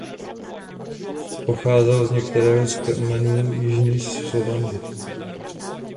Pocházel z některého z kmenů jižních Slovanů.